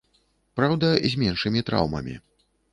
Праўда, з меншымі траўмамі.